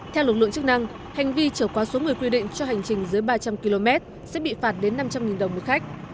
theo lực lượng chức năng hành vi trở qua số người quy định cho hành trình dưới ba trăm linh km sẽ bị phạt đến năm trăm linh đồng một khách